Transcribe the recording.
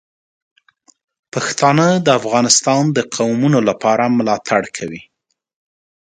پښتانه د افغانستان د قومونو لپاره ملاتړ کوي.